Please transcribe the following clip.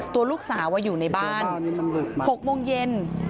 ตัวลูกสาวอยู่ในบ้าน๖โมงเย็น